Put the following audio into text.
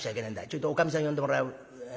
ちょいとおかみさん呼んでもらえねえか。